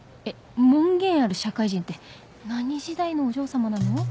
えっ門限ある社会人って何時代のお嬢様なの？